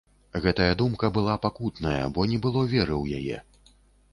Гэтая думка была пакутная, бо не было веры ў яе.